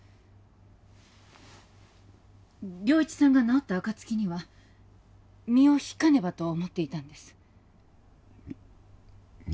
良一さんが治った暁には身を引かねばと思っていたんですみ